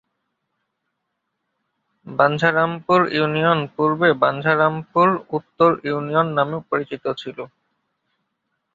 Bancharampur union পূর্বে বাঞ্ছারামপুর উত্তর union নামে পরিচিত ছিল।